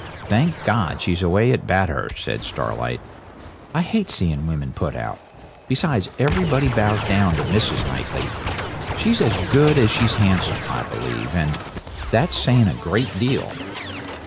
'Thank God, she's away at Bathurst,' said Starlight. 'I hate seeing women put out. Besides, everybody bows down to Mrs. Knightley. She's as good as she's handsome, I believe, and that's saying a great deal.'